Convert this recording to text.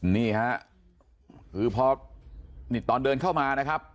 นี่ฮะคือพอนี่ตอนเดินเข้ามานะครับ